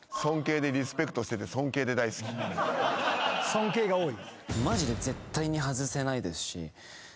「尊敬」が多い。